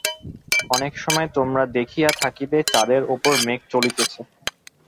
অনেক সময় তোমরা দেখিয়া থাকিবে, চাঁদের উপর মেঘ চলিতেছে।